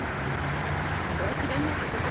おあきれになったことでしょう？